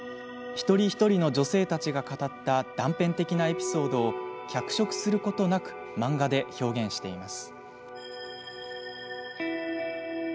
一人一人の女性たちが語った断片的なエピソードを脚色することなく漫画で表現しています。